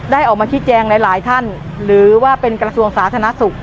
ออกมาชี้แจงหลายท่านหรือว่าเป็นกระทรวงสาธารณสุข